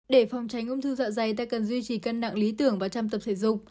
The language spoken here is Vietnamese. để phòng tránh ung thư dạ dày ta cần duy trì cân nặng lý tưởng và chăm tập thể dục